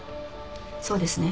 そうですね。